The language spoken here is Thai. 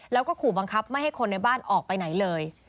แล้วก็ขู่บังคับไม่ให้คนในบ้านออกไปไหนเลย